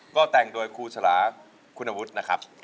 ก็แต่งโดยครูสลาคุณวุฒินะครับ